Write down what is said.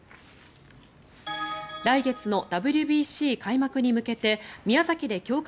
来月のＷＢＣ開幕に向けて宮崎で強化